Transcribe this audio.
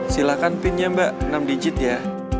silakan pin nya mbak enam digit ya